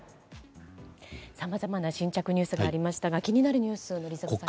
さまざまな新着ニュースがありましたが気になるニュース、宜嗣さん。